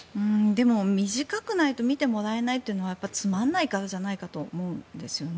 でも、短くないと見てもらえないというのはつまらないからじゃないかと思うんですよね。